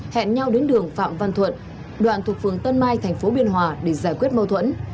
hẹn nhau đến đường phạm văn thuận đoạn thuộc phường tân mai thành phố biên hòa để giải quyết mâu thuẫn